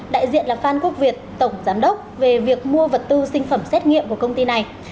đại diện là phan quốc việt tổng giám đốc về việc mua vật tư sinh phẩm xét nghiệm của công ty này